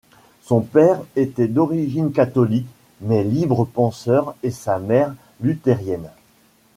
Son père était d'origine catholique mais libre penseur et sa mère luthérienne.